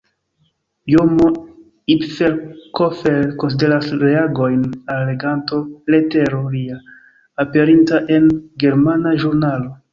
Jomo Ipfelkofer konsideras reagojn al leganto-letero lia, aperinta en germana ĵurnalo.